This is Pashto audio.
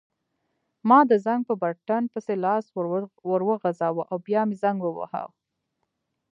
ما د زنګ په بټن پسې لاس وروغځاوه او بیا مې زنګ وواهه.